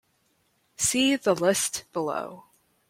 See the list below.